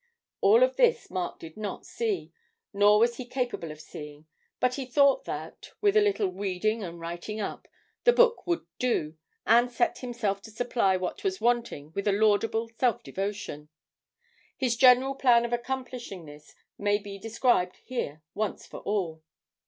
All of this Mark did not see, nor was he capable of seeing, but he thought that, with a little 'weeding' and 'writing up,' the book would do, and set himself to supply what was wanting with a laudable self devotion. His general plan of accomplishing this may be described here once for all.